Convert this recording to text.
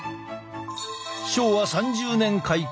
昭和３０年開校。